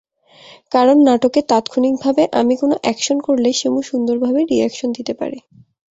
কারণ, নাটকে তাৎক্ষণিকভাবে আমি কোনো অ্যাকশন করলে শিমু সুন্দরভাবে রি-অ্যাকশন দিতে পারে।